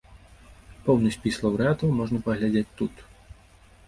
Поўны спіс лаўрэатаў можна паглядзець тут.